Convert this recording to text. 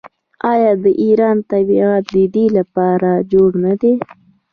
آیا د ایران طبیعت د دې لپاره جوړ نه دی؟